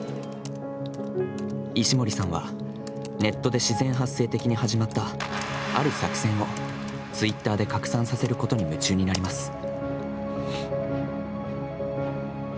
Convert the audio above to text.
石森さんは、ネットで自然発生的に始まった「ある作戦」をＴｗｉｔｔｅｒで拡散させることに夢中になります。